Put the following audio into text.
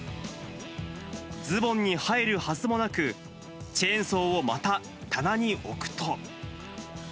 ズボンに入るはずもなく、チェーンソーをまた、棚に置くと。